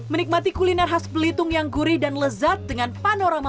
menikmati kuliner khas belitung yang gurih dan lezat dengan panorama